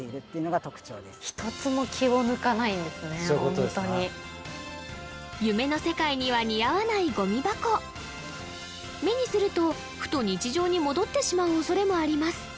ホントに夢の世界には似合わないゴミ箱目にするとふと日常に戻ってしまう恐れもあります